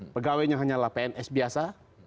pegawainya hanyalah pns biasa